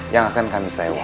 yang akan kami sewa